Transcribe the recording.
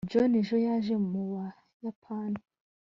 john ejo yaje mu buyapani